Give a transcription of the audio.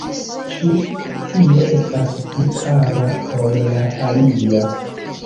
Ĉu tio estas pli kara ol la alia?